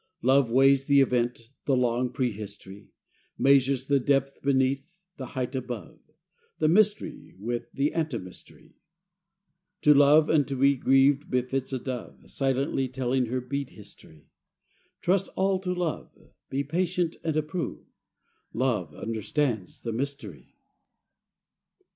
Love weighs the event, the long pre history, Measures the depth beneath, the height above, The mystery, with the ante mystery. 152 FROM QUEENS' GARDENS. To love and to be grieved befits a dove. Silently telling her bead history; Trust all to Love, be patient and approve: Love understands the mystery.